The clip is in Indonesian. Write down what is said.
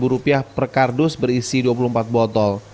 rp empat ratus sepuluh per kardus berisi dua puluh empat botol